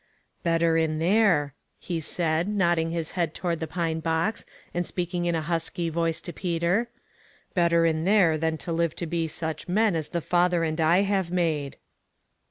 "Better in there," he said, nodding his head toward the pine box, and speaking in THE PROOF OF THE DIVINE HAND. 285 a husky voice to Peter, "better in there than to live to be such men as the father and I have made."